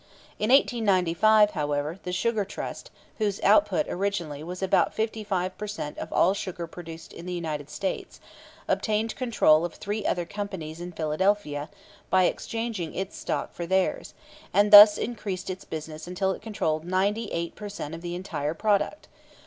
In 1895, however, the Sugar Trust, whose output originally was about fifty five per cent of all sugar produced in the United States, obtained control of three other companies in Philadelphia by exchanging its stock for theirs, and thus increased its business until it controlled ninety eight per cent of the entire product.